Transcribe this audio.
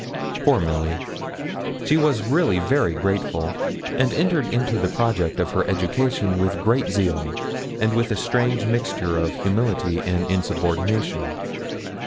Poor Milly! she was really very grateful, and entered into the project of her education with great zeal, and with a strange mixture of humility and insubordination.